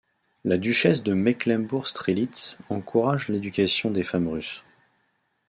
La duchesse De Mecklembourg-Strelitz encourage l'éducation des femmes russes.